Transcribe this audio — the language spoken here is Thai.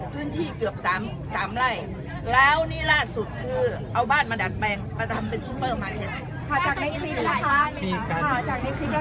ขึ้นที่เกือบสามสามไล่แล้วนี่ล่าดสุดคือ